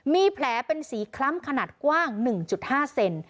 มีแผลเป็นสีคล้ำขนาดกว้างหนึ่งจุดห้าเซน